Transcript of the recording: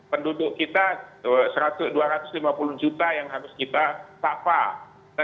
penduduk kita dua ratus lima puluh juta yang harus kita tapak